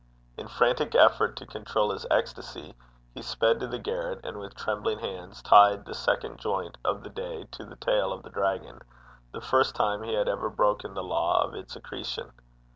In frantic effort to control his ecstasy, he sped to the garret, and with trembling hands tied the second joint of the day to the tail of the dragon the first time he had ever broken the law of its accretion.